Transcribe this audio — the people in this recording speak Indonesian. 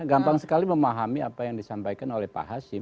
gampang sekali memahami apa yang disampaikan oleh pak hasim